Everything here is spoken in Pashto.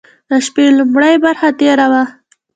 د شپې لومړۍ برخه تېره وه.